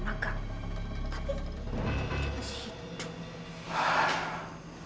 tapi dia masih hidup